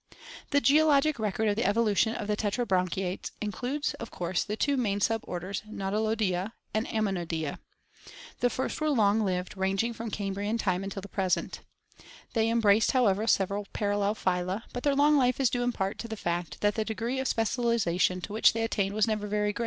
The geologic record of the evolution of the Tetrabranchiates includes of course the two main suborders, Nau tiloidea and Ammonoidea. The first were long lived, ranging from Cambrian time until the present. They embraced, however, several par allel phyla, but their long life is due in part to the fact that the ^jTihdL (From degree of specialization to which Sdiucbert'sfliiwri they attained was never very «/ Cah,a.)